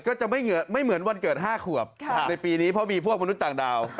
ก็จะไม่เหมือนวันเกิด๕ขวบในปีนี้เพราะมีพวกมนุษย์ต่างดาว